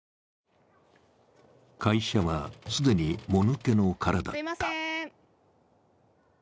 会社は既にもぬけの殻だった。